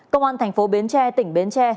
công an thành phố bến tre tỉnh bến tre